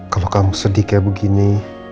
kalau kamu sedih kayak begini